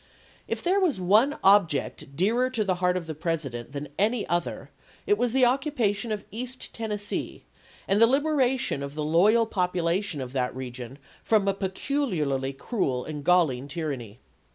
If there was one object dearer to the heart of the President than any other it was the occupation of East Tennessee and the libera tion of the loyal population of that region from a peculiarly cruel and galling tyranny.